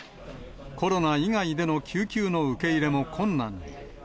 コロナ以外での救急の受け入れも困難に。